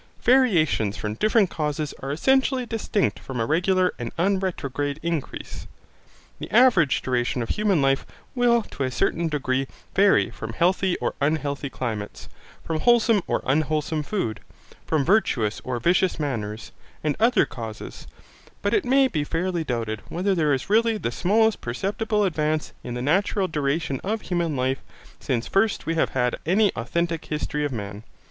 Variations from different causes are essentially distinct from a regular and unretrograde increase. The average duration of human life will to a certain degree vary from healthy or unhealthy climates, from wholesome or unwholesome food, from virtuous or vicious manners, and other causes, but it may be fairly doubted whether there is really the smallest perceptible advance in the natural duration of human life since first we have had any authentic history of man.